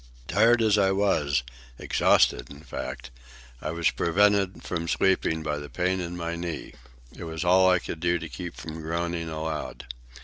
Tired as I was,—exhausted, in fact,—I was prevented from sleeping by the pain in my knee. It was all I could do to keep from groaning aloud.